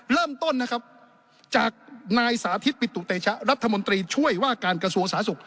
เริ่มต้นนะครับจากนายสาธิตปิตุเตชะรัฐมนตรีช่วยว่าการกระทรวงสาธารณสุข